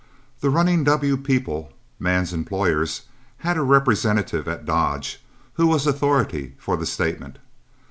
The "Running W" people, Mann's employers, had a representative at Dodge, who was authority for the statement.